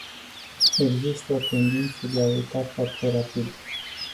Există o tendință de a uita foarte rapid.